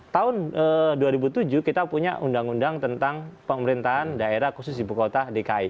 tahun dua ribu tujuh kita punya undang undang tentang pemerintahan daerah khusus ibu kota dki